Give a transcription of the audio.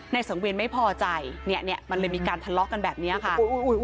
สังเวียนไม่พอใจเนี่ยมันเลยมีการทะเลาะกันแบบนี้